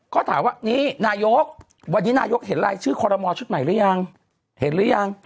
ก็ถามว่านี่นายกวันนี้นายกเห็นรายชื่อคอรมอลชุดใหม่หรือยังเห็นหรือยัง